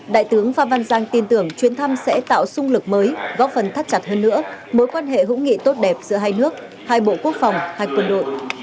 đại tướng phan văn giang tin tưởng chuyến thăm sẽ tạo sung lực mới góp phần thắt chặt hơn nữa mối quan hệ hữu nghị tốt đẹp giữa hai nước hai bộ quốc phòng hai quân đội